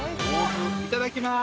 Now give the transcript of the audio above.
いただきます。